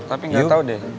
tapi nggak tahu deh